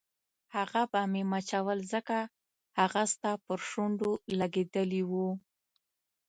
هغه به مې مچول ځکه هغه ستا پر شونډو لګېدلي وو.